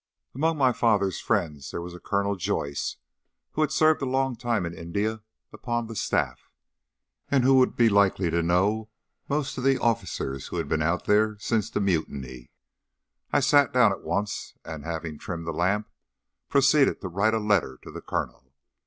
Among my father's friends there was a Colonel Joyce, who had served a long time in India upon the staff, and who would be likely to know most of the officers who had been out there since the Mutiny. I sat down at once, and, having trimmed the lamp, proceeded to write a letter to the Colonel.